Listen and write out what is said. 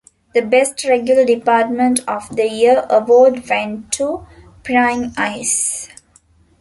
The Best Regular Department of the Year award went to Prying Eyes.